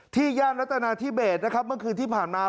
ย่านรัฐนาธิเบสนะครับเมื่อคืนที่ผ่านมา